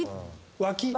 脇。